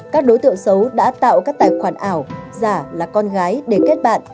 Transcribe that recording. các đối tượng xấu đã tạo các tài khoản ảo giả là con gái để kết bạn